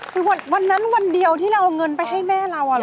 คือวันนั้นวันเดียวที่เราเอาเงินไปให้แม่เราเหรอ